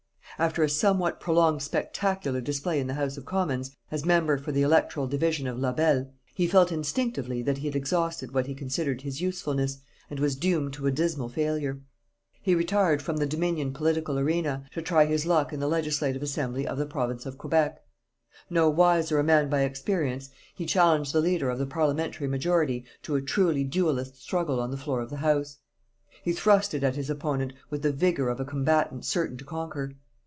After a somewhat prolonged spectacular display in the House of Commons, as member for the electoral division of Labelle, he felt instinctively that he had exhausted what he considered his usefulness, and was doomed to a dismal failure. He retired from the Dominion political arena, to try his luck in the Legislative Assembly of the Province of Quebec. No wiser a man by experience, he challenged the Leader of the parliamentary majority to a truly duellist struggle on the floor of the House. He thrusted at his opponent with the vigour of a combatant certain to conquer.